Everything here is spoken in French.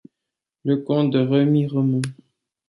Lecomte de Remiremont.